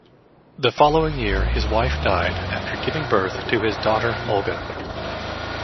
The following year, his wife died after giving birth to his daughter, Olga.